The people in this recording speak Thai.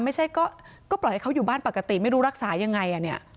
ไม่ใช่ก็ปล่อยให้เขาอยู่บ้านปกติไม่รู้รักษายังไงอ่ะเนี่ย